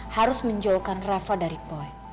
harus menjauhkan reva dari boy